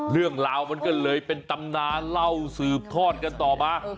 เรื่องราวมันก็เลยเป็นตำนานเล่าสืบทอดกันต่อมา